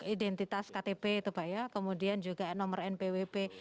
identitas ktp itu pak ya kemudian juga nomor npwp